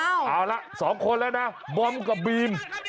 อ้าวเอาละสองคนแล้วนะบอมกับบีม